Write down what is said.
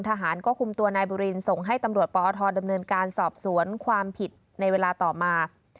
ทหารก็คุมตัวนายบุรินส่งให้ตำรวจปอทดำเนินการสอบสวนความผิดในเวลาต่อมา